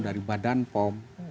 dari badan pom